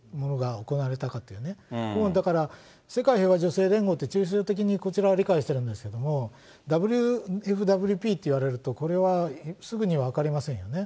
だから、世界平和女性連合って、的にこちらは理解してるんですけれども、ＷＦＷＰと言われると、これはすぐに分かりませんよね。